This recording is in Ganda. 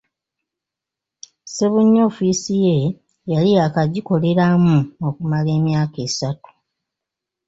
Ssebunya ofiice ye yali yaakagikoleramu okumala emyaka esatu.